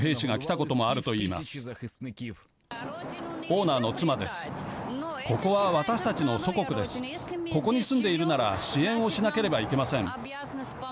ここに住んでいるなら支援をしなければいけません。